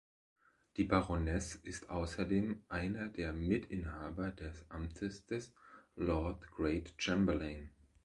Die Baroness ist außerdem einer der Mitinhaber des Amtes des Lord Great Chamberlain.